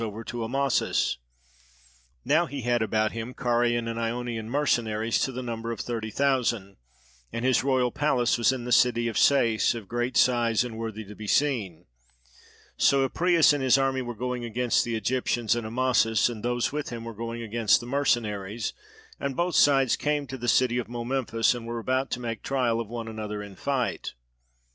Then Apries having heard this also, armed his foreign mercenaries and marched against the Egyptians: now he had about him Carian and Ionian mercenaries to the number of thirty thousand; and his royal palace was in the city of Sais, of great size and worthy to be seen. So Apries and his army were going against the Egyptians, and Amasis and those with him were going against the mercenaries; and both sides came to the city of Momemphis and were about to make trial of one another in fight.